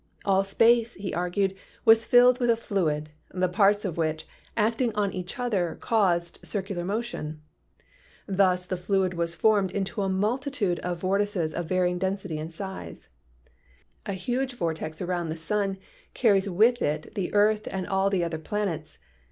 All space, he argued, was filled with a fluid, the parts of which, acting on each other, caused circular motion. Thus the fluid was formed into a multitude of vortices of various density and size. A huge vortex round 26 PHYSICS the sun carries with it the earth and all the other planets.